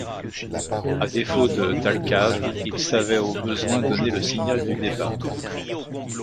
À défaut de Thalcave, il savait au besoin donner le signal du départ.